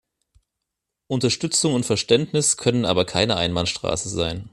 Unterstützung und Verständnis können aber keine Einbahnstraße sein.